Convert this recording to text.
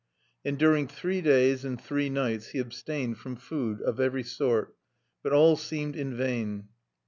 And during three days and three nights he abstained from food of every sort. But all seemed in vain.